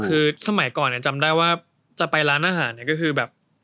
คือสมัยก่อนจำได้ว่าจะไปร้านอาหารเนี่ยก็คือแบบ